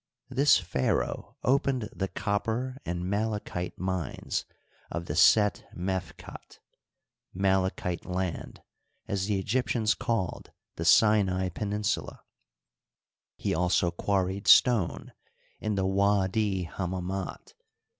This pharaoh opened the copper and malachite mines of the Set Mefkat —" Malachite Land," as the Egfyptians called the Sinai peninsula. He also quarried stone in the Widi Hammamat.